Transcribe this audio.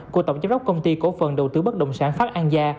của tổng giám đốc công ty cổ phần đầu tư bất động sản phát an gia